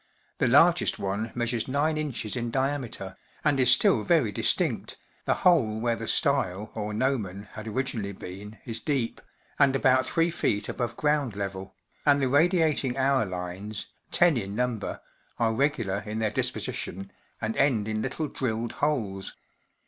The largest one measures gin, in diameter, and is still very distinct, the hole where the style, or gnomon, had originally been is deep, and about 3ft above ground level, and the radiating hour lines, ten in number, are regular in their disposition and end in little drilled holes.